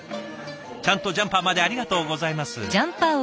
ちゃんとジャンパーまでありがとうございます。